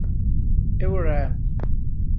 เอเวอร์แลนด์